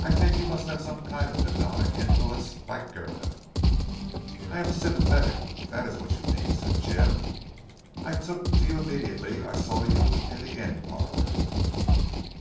I think you must have a kind of daemonic influence like Goethe." "I am sympathetic if that is what you mean," said Jim. "I took to you immediately I saw you in the inn parlour."